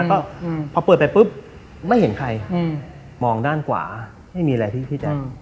แล้วก็พอเปิดไปปุ๊บไม่เห็นใครมองด้านขวาไม่มีอะไรที่พี่แจ๊ค